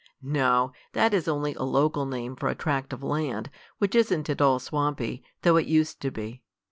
"No, that is only a local name for a tract of land, which isn't at all swampy, though it used to be.